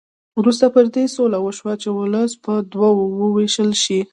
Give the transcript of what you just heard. وروسته پر دې سوله وشوه چې ولس په دوه وو وېشل شي.